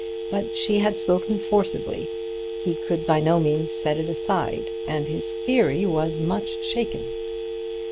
But she had spoken forcibly; he could by no means set it aside, and his theory was much shaken.